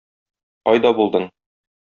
Кайда булдың?